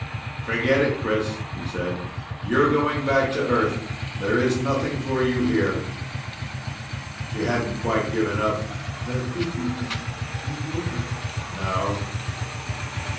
"Forget it, Chris," he said. "You're going back to Earth. There is nothing for you here." She hadn't quite given up. "There could be, Dan. You know that." "No.